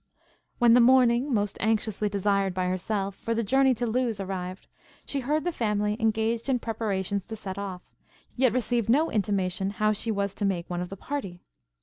When the morning, most anxiously desired by herself, for the journey to Lewes, arrived, she heard the family engaged in preparations to set off, yet received no intimation how she was to make one of the party.